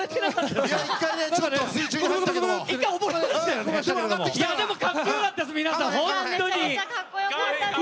でも、かっこよかったです